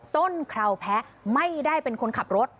คราวแพ้ไม่ได้เป็นคนขับรถ